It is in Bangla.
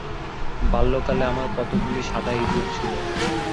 বাল্যকালে আমার কতকগুলি সাদা ইঁদুর ছিল।